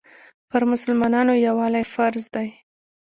پر مسلمانانو یووالی فرض دی.